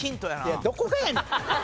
いやどこがやねん！